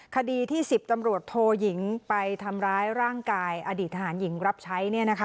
คดีที่๑๐ตำรวจโทยิงไปทำร้ายร่างกายอดีตทหารหญิงรับใช้